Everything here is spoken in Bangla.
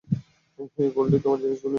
হেই, গোল্ডি, তোমার জিনিসগুলো নিয়ে এসেছি।